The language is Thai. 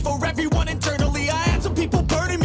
โอ้โฮ